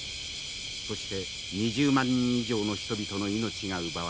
そして２０万人以上の人々の命が奪われました。